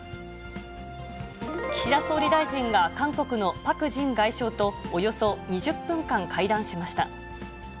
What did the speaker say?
岸田総理大臣が韓国のパク・ジン外相とおよそ２０分間会談しました。